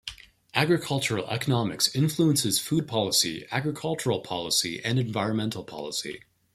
Agricultural economics influences food policy, agricultural policy, and environmental policy.